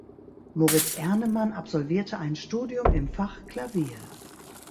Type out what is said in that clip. Moritz Ernemann absolvierte ein Studium im Fach Klavier.